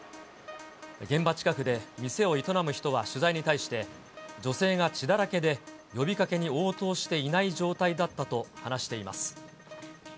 現場近くで店を営む人は取材に対して、女性が血だらけで、呼びかけに応答していない状態だったと話しています。